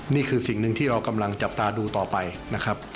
นี่คือสิ่งหนึ่งที่เรากำลังจับตาดูต่อไปนะครับ